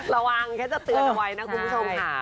ระวังแค่จะเตือนเอาไว้นะคุณผู้ชมค่ะ